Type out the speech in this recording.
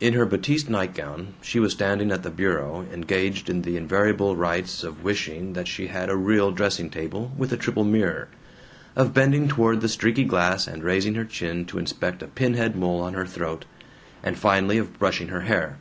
In her batiste nightgown she was standing at the bureau engaged in the invariable rites of wishing that she had a real dressing table with a triple mirror, of bending toward the streaky glass and raising her chin to inspect a pin head mole on her throat, and finally of brushing her hair.